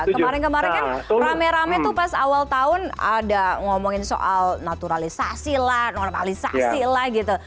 kemarin kemarin kan rame rame tuh pas awal tahun ada ngomongin soal naturalisasi lah normalisasi lah gitu